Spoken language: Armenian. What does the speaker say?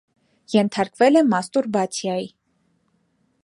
Ենթարկվել է մաստուրբացիայի։